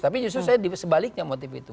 tapi justru saya sebaliknya motif itu